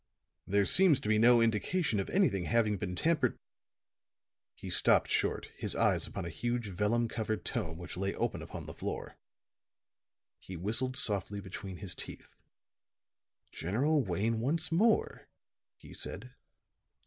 There seems to be no indication of anything having been tampered " He stopped short, his eyes upon a huge vellum covered tome which lay open upon the floor. He whistled softly between his teeth. "General Wayne once more!" he said.